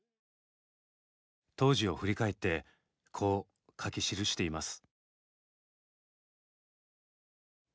当時を振り返ってこう書き記しています。